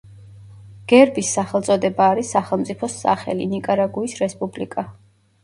გერბის სახელწოდება არის სახელმწიფოს სახელი, ნიკარაგუის რესპუბლიკა.